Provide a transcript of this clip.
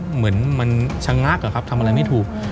เหมือนมันชะงักอะครับทำอะไรไม่ถูก